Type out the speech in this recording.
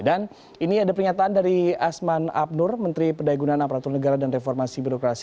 dan ini ada pernyataan dari asman abnur menteri pendayagunaan aparatur negara dan reformasi birokrasi